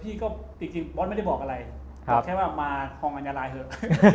พี่ก็จริงบอสไม่ได้บอกอะไรบอกแค่ว่ามาคลองอัญญาลายเถอะ